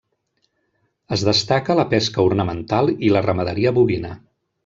Es destaca la pesca ornamental i la ramaderia bovina.